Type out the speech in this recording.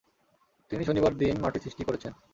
তিনি শনিবার দিন মাটি সৃষ্টি করেছেন।